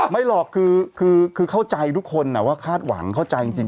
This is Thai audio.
ไม่หรอกคือคือคือเข้าใจทุกคนอ่ะว่าคาดหวังเข้าใจจริงจริง